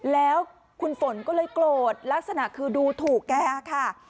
แล้วคุณฝนก็เลยโกรธลักษณะคือดูถูกแกค่ะ